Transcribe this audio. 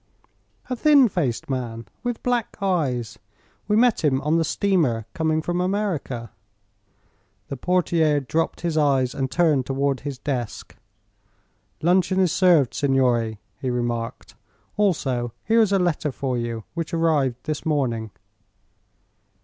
"A thin faced man, with black eyes. We met him on the steamer coming from America." The portiere dropped his eyes and turned toward his desk. "Luncheon is served, signore," he remarked. "Also, here is a letter for you, which arrived this morning."